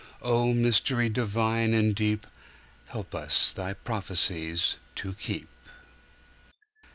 O Mystery divine and deepHelp us Thy prophecies to keep!